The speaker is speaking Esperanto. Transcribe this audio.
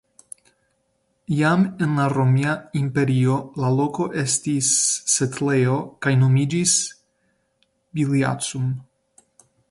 Jam en la romia imperio la loko estis setlejo kaj nomiĝis "Biliacum".